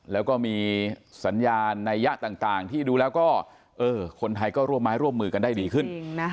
แล้วก็มีสัญญาณในยะต่างที่ดูแล้วก็คนไทยก็ร่วมไม้ร่วมมือกันได้ดีขึ้น